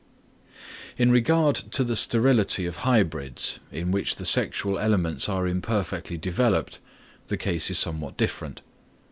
In regard to the sterility of hybrids, in which the sexual elements are imperfectly developed, the case is somewhat different.